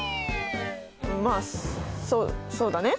まあそうだね。